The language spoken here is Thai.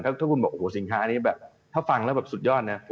ถ้าคุณบอกโอ้โหสินค้าอันนี้แบบถ้าฟังแล้วแบบสุดยอดนะ